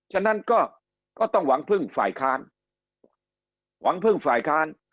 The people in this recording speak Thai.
ฉะนั้นก็ต้องหวังพึ่งฝ่ายค้าน